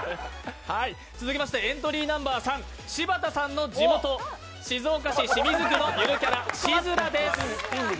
続きましてエントリーナンバー３、柴田さんの地元、静岡市清水区のゆるキャラシズラです。